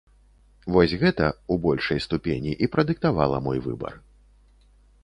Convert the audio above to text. Вось гэта, у большай ступені, і прадыктавала мой выбар.